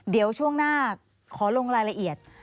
เดี๋ยวช่วงหน้าขอลงรายละเอียด